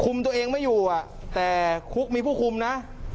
ตัวเองไม่อยู่แต่คุกมีผู้คุมนะ